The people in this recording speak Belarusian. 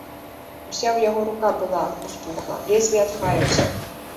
Уся ў яго рука была ўспухла, ледзьве адхаяўся.